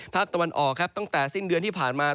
ภาคตะวันอตั้งแต่สิ้นเดือนที่ผ่านมา